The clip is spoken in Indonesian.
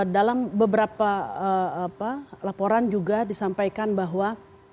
dalam beberapa laporan juga disampaikan bahwa